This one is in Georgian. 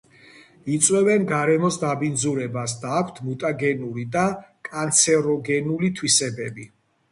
იწვევენ გარემოს დაბინძურებას და აქვთ მუტაგენური და კანცეროგენული თვისებები.